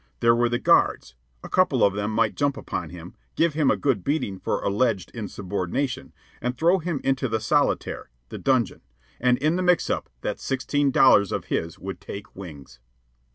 There were the guards. A couple of them might jump upon him, give him a good beating for alleged insubordination, and throw him into the "solitaire" (the dungeon); and in the mix up that sixteen dollars of his would take wings.